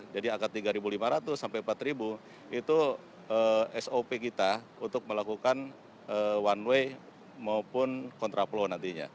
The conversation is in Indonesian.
jadi angka tiga lima ratus sampai empat itu sop kita untuk melakukan one way maupun kontraplo nantinya